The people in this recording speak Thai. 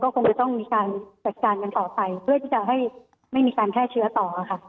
คงจะต้องมีการจัดการกันต่อไปเพื่อที่จะให้ไม่มีการแพร่เชื้อต่อค่ะ